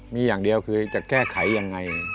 มีอย่างเดียวคือจะแก้ไขยังไง